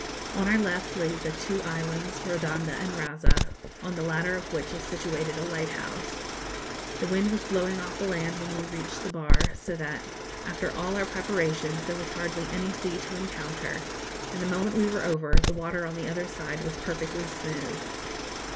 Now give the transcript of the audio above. On our left lay the two islands, Rodonda and Raza, on the latter of which is situated a lighthouse. The wind was blowing off the land when we reached the bar, so that, after all our preparations, there was hardly any sea to encounter, and the moment we were over, the water on the other side was perfectly smooth.